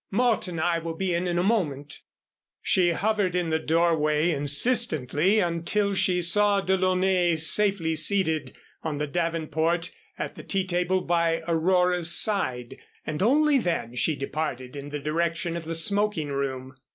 Mort and I will be in in a moment." She hovered in the doorway insistently until she saw DeLaunay safely seated on the davenport at the tea table by Aurora's side, and only then she departed in the direction of the smoking room.